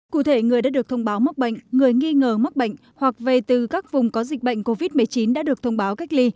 cụ thể người đã được thông báo mắc bệnh người nghi ngờ mắc bệnh hoặc về từ các vùng có dịch bệnh covid một mươi chín đã được thông báo cách ly